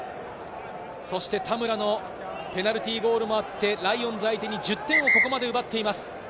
そして田村のペナルティーゴールもあって、ライオンズ相手に１０点をここまで奪っています。